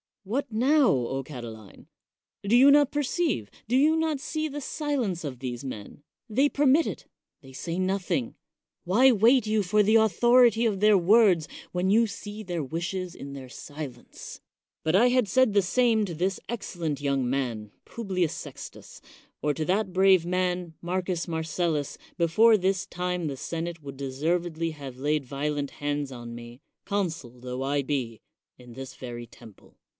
What now, O Catiline? Do you not perceive, do you not see the silence of these men ; ihey permit it, they say nothing ; why 105 THE WORLD'S FAMOUS ORATIONS wait you for the authority of their words when you see their wishes in their silence? But had I said the same to this excellent young man, Publius Sextius, or to that brave man, Marcus Marcellus, before this time the senate would deservedly have laid violent hands on me, consul tho I be, in this very temple.